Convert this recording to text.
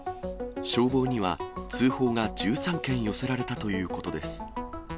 消防には、通報が１３件寄せられたということです。